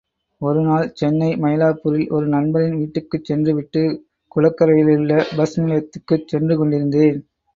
ஒரு நாள் சென்னை மயிலாப்பூரில் ஒரு நண்பரின் வீட்டுக்குச் சென்றுவிட்டு, குளக்கரையிலுள்ள பஸ் நிலையத்திற்குச் சென்று கொண்டிருந்தேன்.